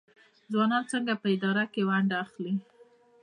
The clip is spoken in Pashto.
ځوانان څنګه په اداره کې ونډه اخلي؟